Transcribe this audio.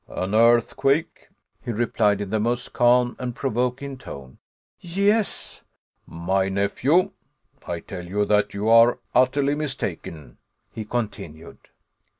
"An earthquake," he replied in the most calm and provoking tone. "Yes." "My nephew, I tell you that you are utterly mistaken," he continued.